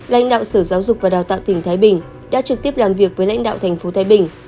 lãnh đạo sở giáo dục và đào tạo tp thái bình đã trực tiếp làm việc với lãnh đạo tp thái bình